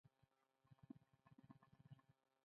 خان زمان د درې شپو لپاره له شپني کار څخه رخصت ورکړل شوه.